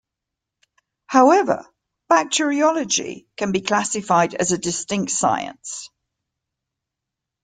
However, bacteriology can be classified as a distinct science.